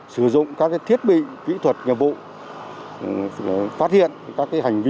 sử dụng các thiết bị kỹ thuật nhập bộ phát hiện các hành vi